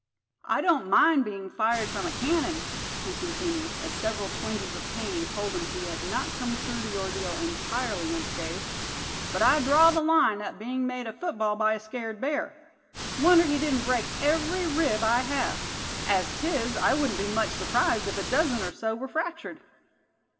"I don't mind being fired from a cannon," he continued, as several twinges of pain told him he had not come through the ordeal entirely unscathed; "but I draw the line at being made a football by a scared bear. Wonder he didn't break every rib I have. As 'tis, I wouldn't be much s'prised if a dozen or so were fractured."